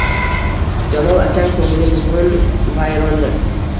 Jamol akang ko‘ngli bugun vayrondir